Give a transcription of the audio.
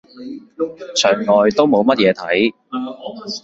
牆外都冇乜嘢睇